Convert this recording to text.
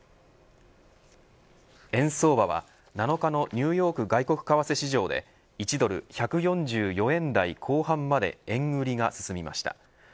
円相場は７日のニューヨーク外国為替市場で１ドル１４４円台後半まで円売りが進みました。